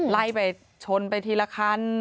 ไล่ไปชนไปทีละคัน